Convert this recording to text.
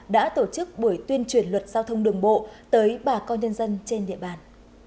đã tổ chức buổi tuyên truyền luật giao thông đường bộ tới bà con nhân dân trên địa bàn